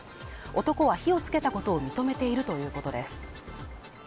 男は火をつけたことを認めているということです。